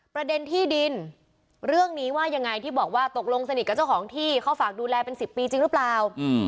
ประเด็นที่ดินเรื่องนี้ว่ายังไงที่บอกว่าตกลงสนิทกับเจ้าของที่เขาฝากดูแลเป็น๑๐ปีจริงหรือเปล่า